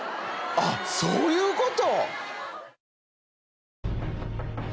あっそういうこと？